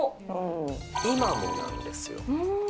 今もなんですよ。